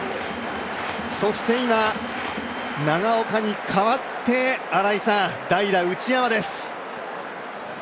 そして今、長岡に代わって、代打・内山です。